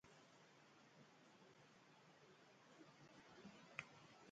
Dits, dits, que vent no en falta!